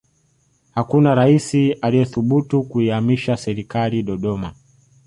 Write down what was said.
hakuna raisi aliyethubutu kuihamishia serikali dodoma